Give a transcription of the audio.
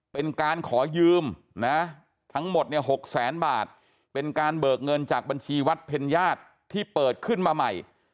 เป็นการขอยืมนะทั้งหมดเนี่ย๖แสนบาทเป็นการเบิกเงินจากบัญชีวัดเพ็ญญาติที่เปิดขึ้นมาใหม่